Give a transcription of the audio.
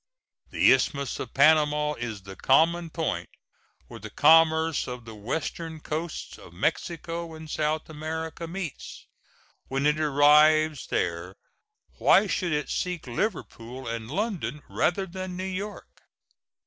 The Isthmus of Panama is the common point where the commerce of the western coasts of Mexico and South America meets. When it arrives there, why should it seek Liverpool and London rather than New York?